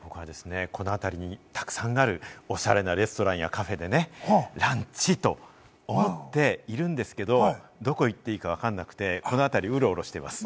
僕はこのあたりにたくさんあるオシャレなレストランやカフェでランチと思っているんですけれど、どこ行っていいかわからなくて、このあたりをウロウロしてます。